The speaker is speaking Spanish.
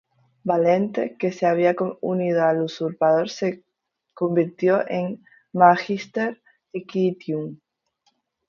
Valente, que se había unido al usurpador, se convirtió en "Magister equitum".